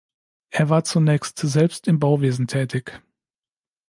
Er war zunächst selbst im Bauwesen tätig.